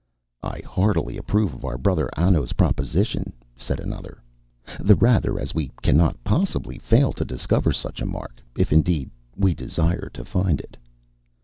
"I heartily approve of our brother Anno's proposition," said another, "the rather as we cannot possibly fail to discover such a mark, if, indeed, we desire to find it."